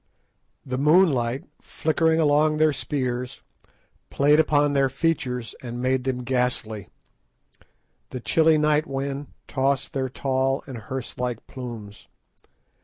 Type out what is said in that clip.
The moonlight flickering along their spears played upon their features and made them ghastly; the chilly night wind tossed their tall and hearse like plumes.